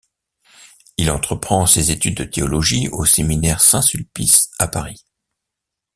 Il entreprend ses études de théologie au séminaire Saint-Sulpice à Paris.